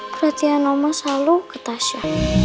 perhatian omah selalu ke tasya